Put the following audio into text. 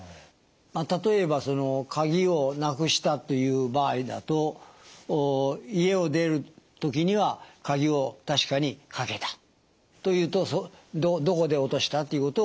まあ例えば鍵をなくしたという場合だと家を出る時には鍵を確かにかけたというとどこで落としたということを忘れる。